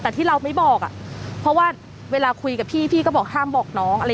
แต่ที่เราไม่บอกอ่ะเพราะว่าเวลาคุยกับพี่พี่ก็บอกห้ามบอกน้องอะไร